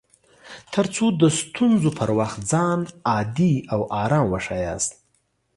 تر څو د ستونزو پر وخت ځان عادي او ارام وښياست